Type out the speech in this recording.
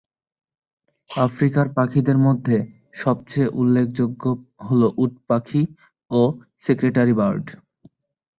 আফ্রিকার পাখিদের মধ্যে সবচেয়ে উল্লেখযোগ্য হল উটপাখি ও সেক্রেটারি-বার্ড।